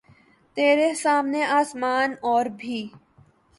ترے سامنے آسماں اور بھی